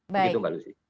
begitu mbak lucy